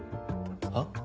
はっ？